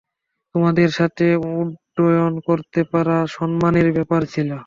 তোমাদের সাথে উড্ডয়ন করতে পারা সম্মানের ব্যাপার ছিল।